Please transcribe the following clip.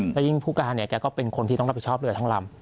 แล้วยิ่งผู้การเนี่ยแกก็เป็นคนที่ต้องรับผิดชอบเรือทั้งลำ